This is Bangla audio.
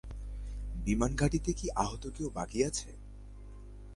বিমান ঘাঁটিতে কি আহত কেউ বাকি আছে?